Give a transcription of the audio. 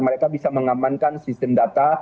mereka bisa mengamankan sistem data